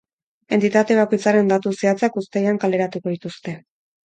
Entitate bakoitzaren datu zehatzak uztailean kaleratuko dituzte.